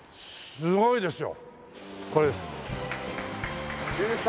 すごいですね。